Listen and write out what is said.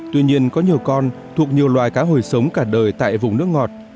tuy nhiên có nhiều con thuộc nhiều loài cá hồi sống cả đời tại vùng nước ngọt